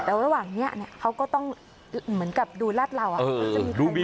แต่ว่างเนี่ยเขาก็ต้องเหมือนกับดูรถรั่วอ่ะ